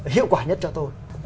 hiệu quả nhất cho tôi